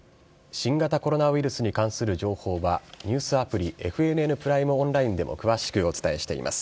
新型コロナウイルスに関する情報は、ニュースアプリ、ＦＮＮプライムオンラインでも詳しくお伝えしています。